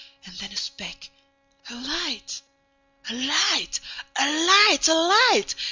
And then a speck—A light! A light! A light! A light!